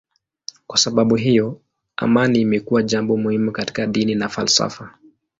Kwa sababu hiyo amani imekuwa jambo muhimu katika dini na falsafa.